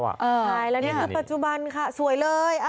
ใช่แล้วนี่คือปัจจุบันค่ะสวยเลย